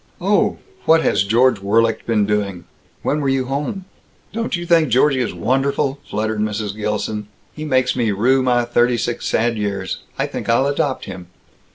Oh! What had George Worlicht been doing, when you were home?" "Don't you think Georgie is wonderful?" fluttered Mrs. Gilson. "He makes me rue my thirty six sad years. I think I'll adopt him.